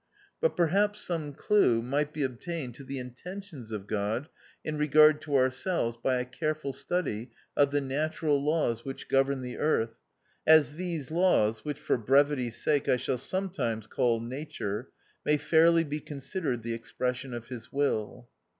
But perhaps some clue might be obtained to the intentions of God in re gard to ourselves by a careful study of the natural laws which govern the earth, as these laws, which for brevity's sake I shall sometimes call Nature, may fairly be con sidered the expression of his Will.